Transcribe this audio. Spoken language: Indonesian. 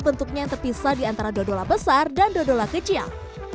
bentuknya yang terpisah diantara dodola besar dan dodola kecil